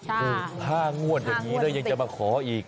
หางวดอย่างนี้แล้วยังจะมาขออีก